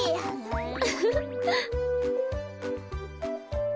ウフフ。